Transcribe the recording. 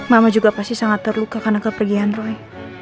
mama juga pasti sangat terluka karena kepergian roy